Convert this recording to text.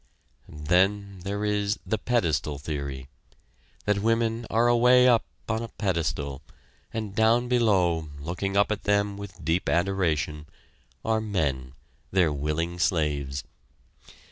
Then there is the pedestal theory that women are away up on a pedestal, and down below, looking up at them with deep adoration, are men, their willing slaves.